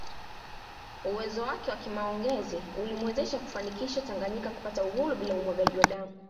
Uwezo wake wa kimaongezi ulimwezesha kufanikisha Tanganyika kupata uhuru bila umwagaji wa damu